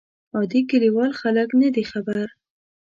عادي کلیوال خلک نه دي خبر.